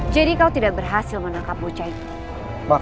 jadi kau tidak berhasil menangkapmu cai tyent